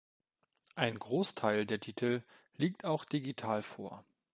Ein Großteil der Titel liegt auch digital vor.